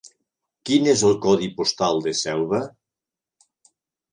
Quin és el codi postal de Selva?